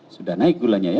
sudah naik gulanya ya